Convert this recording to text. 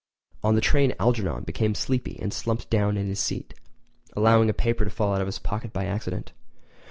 On the train Algernon became sleepy and slumped down in his seat, allowing a paper to fall out of his pocket by accident.